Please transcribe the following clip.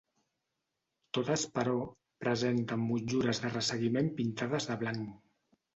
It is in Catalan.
Totes però, presenten motllures de resseguiment pintades de blanc.